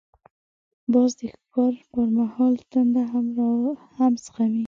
باز د ښکار پر مهال تنده هم زغمي